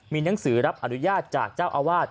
มีหนังสือรับอนุญาตจากเจ้าอาวาส